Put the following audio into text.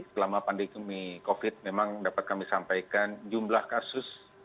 selama pandemi covid memang dapat kami sampaikan jumlah kasus